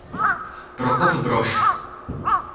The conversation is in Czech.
Prokop Brož.